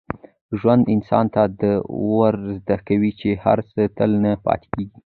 ژوند انسان ته دا ور زده کوي چي هر څه تل نه پاتې کېږي.